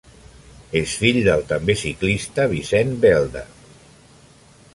És fill del també ciclista Vicent Belda.